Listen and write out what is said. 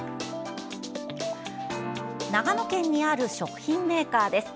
長野県にある食品メーカーです。